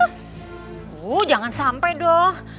aduh jangan sampe dong